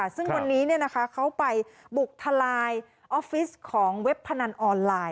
ซึ่งวันนี้เขาไปบุกทลายออฟฟิศของเว็บพนันออนไลน์